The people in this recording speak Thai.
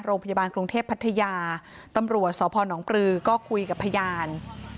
โรงพยาบาลกรุงเทพพัทยาตำรวจสพนปรือก็คุยกับพยาน